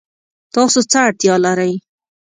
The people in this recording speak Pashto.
تاسو څه اړتیا لرئ؟